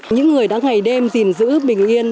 những người đang ngày đêm gìn giữ bình yên